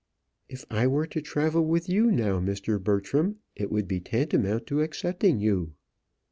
"If I were to travel with you now, Mr. Bertram, it would be tantamount to accepting you.